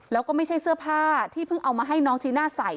แล้วก็ไม่ใช่เสื้อผ้าที่เพิ่งเอามาให้น้องจีน่าใส่